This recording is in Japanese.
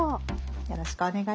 よろしくお願いします。